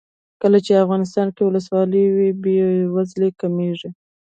کله چې افغانستان کې ولسواکي وي بې وزلي کمیږي.